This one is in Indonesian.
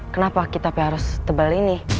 kenapa kita harus tebal ini